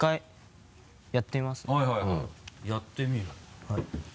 やってみる。